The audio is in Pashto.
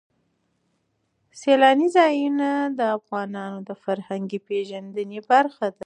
سیلاني ځایونه د افغانانو د فرهنګي پیژندنې برخه ده.